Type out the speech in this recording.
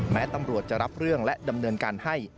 แม้ตำรวจจะรับเรื่องและดำเนินการให้